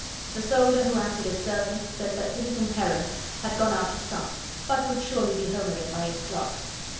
The soldier who acted as servant said that citizen Heron had gone out to sup, but would surely be home again by eight o'clock.